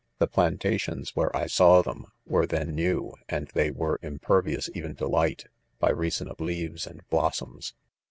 The plantations where 1 saw them, were then new, and they were impervious even to light, by reason of leaves and blossoms.